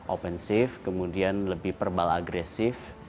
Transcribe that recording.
ofensif kemudian lebih verbal agresif